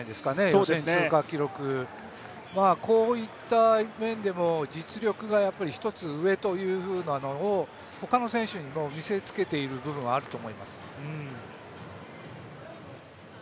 予選通過記録、こういった面でも実力が１つ上というふうなのを他の選手に見せつけている部分はあると思います。